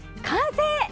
完成！